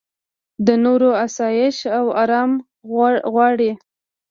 د نورو اسایش او ارام غواړې.